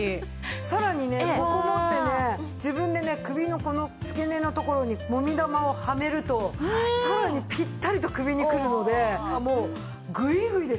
さらにここ持ってね自分でね首のこの付け根のところにもみ玉をはめるとさらにピッタリと首にくるのでもうグイグイですよ。